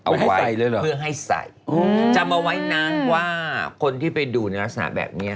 เอาไว้เพื่อให้ใส่จำเอาไว้นั่งว่าคนที่ไปดูในลักษณะแบบนี้